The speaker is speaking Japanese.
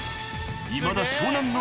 いまだ湘南乃